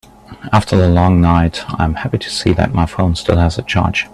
After the long night, I am happy to see that my phone still has a charge.